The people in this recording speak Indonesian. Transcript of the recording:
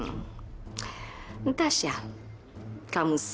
untuk memerasakan kinda bukannya